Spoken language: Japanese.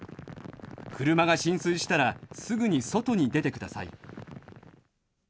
車が浸水したらすぐに外に出てください。